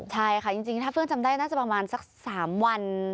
ใช่ค่ะจริงถ้าเพื่อนจำได้น่าจะประมาณสัก๓วัน